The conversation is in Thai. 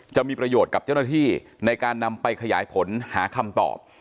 จะมีประโยชน์กับเจ้าหน้าที่ในการนำไปขยายผลหาคำตอบ